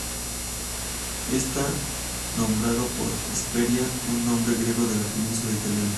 Está nombrado por Hesperia, un nombre griego de la península italiana.